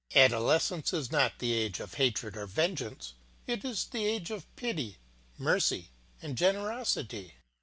Adolescence is not the age of hatred or vengeance; it is the age of pity, mercy, and generosity.